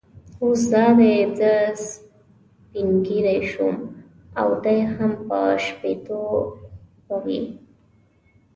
اوس دا دی زه سپینږیری شوم او دی هم د شپېتو خو به وي.